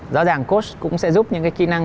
rõ ràng coss cũng sẽ giúp những cái kỹ năng